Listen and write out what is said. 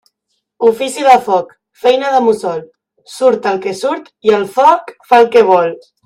Ofici de foc, feina de mussol; surt el que surt i el foc fa el que vol.